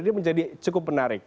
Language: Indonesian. ini menjadi cukup menarik